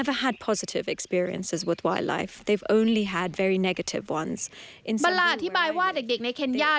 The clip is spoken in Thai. บัลลาที่บายว่าเด็กในเคนย่า